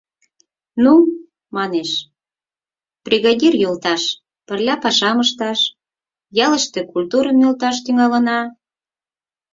— Ну, — манеш, — бригадир йолташ, пырля пашам ышташ, ялыште культурым нӧлташ тӱҥалына...